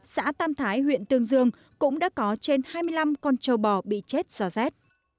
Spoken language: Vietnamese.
xã tam thái huyện tương dương cũng đã có trên hai mươi năm con trâu bò bị chết do rét